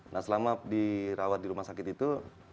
nah selama dirawat di rumah sakit itu